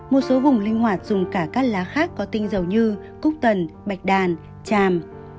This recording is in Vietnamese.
một số vùng linh hoạt dùng cả các lá khác có tinh dầu như cúc tần bạch đàn tràm